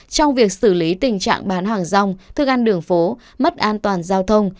trong việc xử lý tình trạng bán hàng rong thức ăn đường phố mất an toàn giao thông